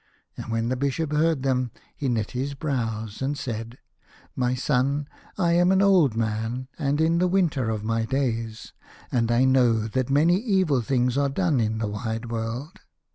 And when the Bishop had heard them he knit his brows, and said, " My son, I am an old man, and in the winter of my days, and I know that many evil things are done in the wide world.